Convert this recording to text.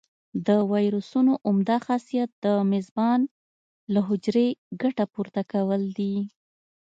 د ویروسونو عمده خاصیت د میزبان له حجرې ګټه پورته کول دي.